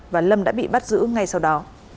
và lâm đã bị bắt giữ ngay sau đó